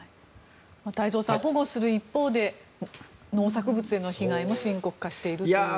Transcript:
太蔵さん、保護する一方で農作物への被害も深刻化しているということです。